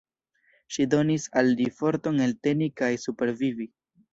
Ŝi donis al li forton elteni kaj supervivi.